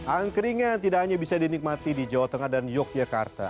angkringan tidak hanya bisa dinikmati di jawa tengah dan yogyakarta